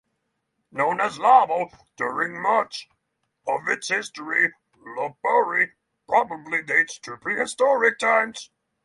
Known as Lavo during much of its history, Lopburi probably dates to prehistoric times.